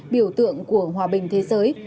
biểu tượng của hòa bình thế giới